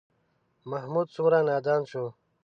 محمود څومره نادان شو.